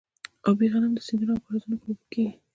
ابي غنم د سیندونو او کاریزونو په اوبو کیږي.